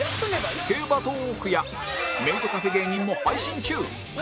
競馬トーークやメイドカフェ芸人も配信中